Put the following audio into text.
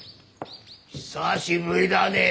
「久しぶりだねえ」！